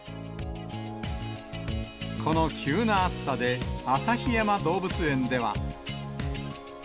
この急な暑さで、旭山動物園では。